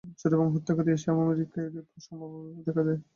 চোর এবং হত্যাকারী এশিয়া, আমেরিকা ও ইউরোপে সমভাবেই দেখা যায়।